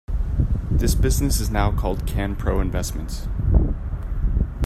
This business is now called Canpro Investments.